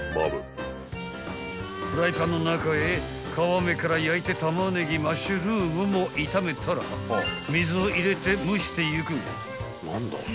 ［フライパンの中へ皮目から焼いてタマネギマッシュルームも炒めたら水を入れて蒸していく］